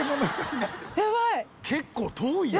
結構遠い！